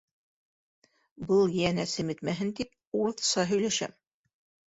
Был йәнә семетмәһен тип, урыҫса һөйләшәм...